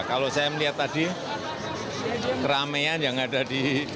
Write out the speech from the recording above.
kalau saya melihat tadi keramaian yang ada di